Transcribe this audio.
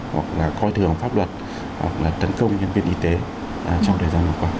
hoặc là coi thường pháp luật hoặc là tấn công nhân viên y tế trong thời gian vừa qua